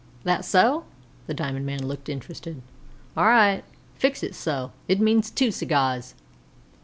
"That so?" The diamond man looked interested. "All right fix it so; it means two cigars."